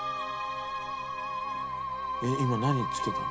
えっ今何つけたの？